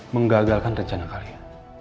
menggagalkan rencana kalian